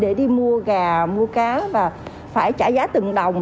để đi mua gà mua cá và phải trả giá từng đồng